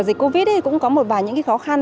dịch covid cũng có một vài khó khăn